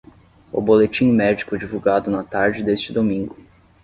O boletim médico divulgado na tarde deste domingo.